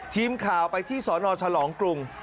ทีมข่าวไปที่สนฉลองกรุง